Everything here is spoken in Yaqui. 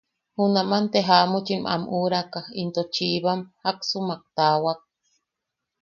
Junaman te jaamuchim am uʼuraka into chibam, jaksumak taawak.